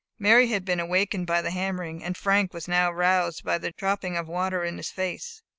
Mary had been awaked by the hammering, and Frank was now roused by the dropping of water in his face.